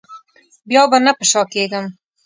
بیا به نه په شا کېږم.